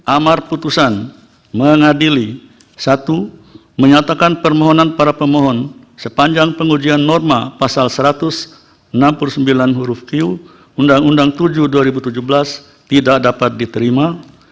amar putusan mengadili satu menyatakan permohonan para pemohon sepanjang pengujian norma pasal satu ratus enam puluh sembilan huruf q undang undang tujuh dua ribu tujuh belas tidak dapat diterima